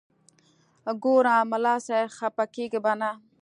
ګوره ملا صاحب خپه کېږې به نه.